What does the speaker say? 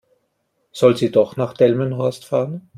Soll sie doch nach Delmenhorst fahren?